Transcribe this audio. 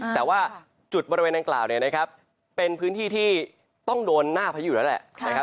แต่ว่าจุดบริเวณดังกล่าวเป็นพื้นที่ที่ต้องโดนหน้าพายุแล้วแหละ